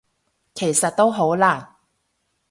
其實都好難